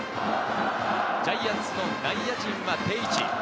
ジャイアンツの内野陣は定位置。